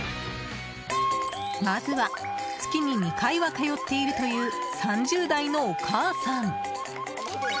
まずは、月に２回は通っているという３０代のお母さん。